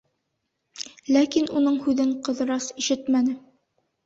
Ләкин уның һүҙен Ҡыҙырас ишетмәне.